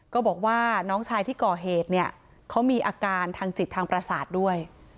ก็บอกว่าน้องชายที่ก่อเหตุเนี่ยเขามีอาการทางจิตทางประสาทด้วย